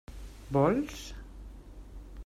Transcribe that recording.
Vols?